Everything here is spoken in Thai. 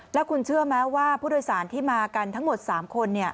แล้วคุณเชื่อไหมว่าผู้โดยสารที่มากันทั้งหมด๓คน